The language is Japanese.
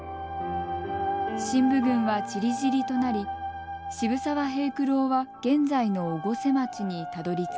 振武軍はちりぢりとなり渋沢平九郎は現在の越生町にたどりつきました。